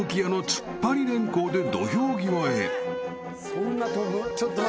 そんな翔ぶ？